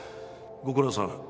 ご苦労さん。